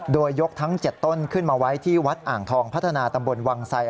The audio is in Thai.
โดยยกทั้ง๗ต้นขึ้นมาไว้ที่วัดอ่างทองพัฒนาตำบลวังไซ